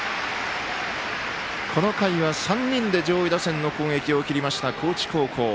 この回は３人で上位打線の攻撃をきりました、高知高校。